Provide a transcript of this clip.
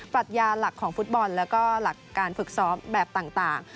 รัชญาหลักของฟุตบอลแล้วก็หลักการฝึกซ้อมแบบต่าง